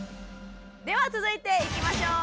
では続いていきましょう！